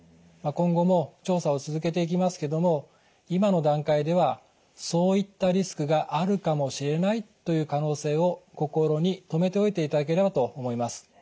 今後も調査を続けていきますけども今の段階ではそういったリスクがあるかもしれないという可能性を心に留めておいていただければと思います。